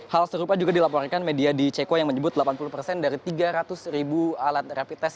hal serupa juga dilaporkan media di ceko yang menyebut delapan puluh persen dari tiga ratus ribu alat rapid test